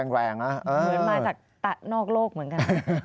เหมือนมาจากนอกโลกเหมือนกัน